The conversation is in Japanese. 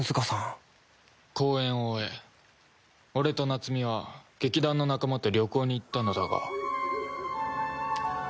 公演を終え俺と夏美は劇団の仲間と旅行に行ったのだが。